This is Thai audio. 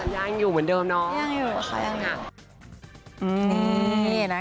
ยังอยู่เหมือนเดิมเนาะ